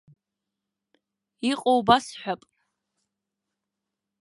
Иҟоу басҳәап.